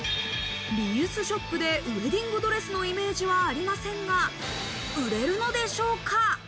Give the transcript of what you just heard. リユースショップでウエディングドレスのイメージはありませんが、売れるのでしょうか？